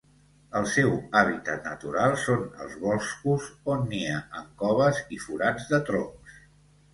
El seu hàbitat natural són els boscos, on nia en coves i forats de troncs.